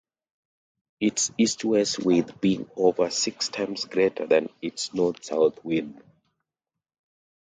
Its east-west width being over six times greater than its north-south width.